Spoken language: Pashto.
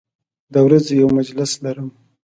د ورځې یو مجلس لرم